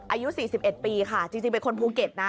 อายุ๔๑ปีค่ะจริงเป็นคนภูเก็ตนะ